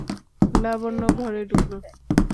লাবণ্য ঘরে ঢুকল।